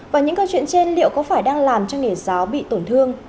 và những câu chuyện trên liệu có phải đang làm cho nghề giáo bị tổn thương